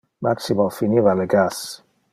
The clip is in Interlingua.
Maximo finiva le gas.